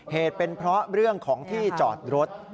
เหตุเป็นเพราะเรื่องของที่จอดรถ